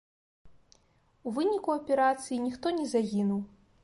У выніку аперацыі ніхто не загінуў.